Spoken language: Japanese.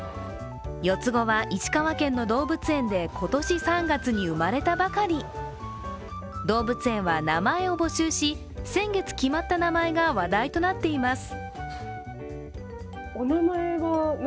４つ子は、石川県の動物園で今年３月に生まれたばかり動物園は名前を募集し先月決まった名前が話題となっています。